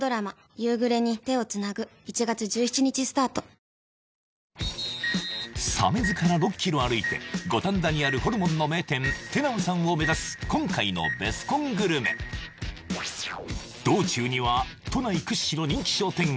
それでは鮫洲から６ｋｍ歩いて五反田にあるホルモンの名店テナムさんを目指す今回の「ベスコングルメ」道中には都内屈指の人気商店街